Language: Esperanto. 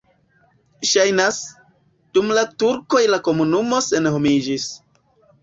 Ŝajnas, dum la turkoj la komunumo senhomiĝis.